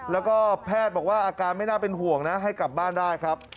แล้วก็แพทย์บอกว่าอาการไม่น่าเป็นห่วงนะให้กลับบ้านได้ครับ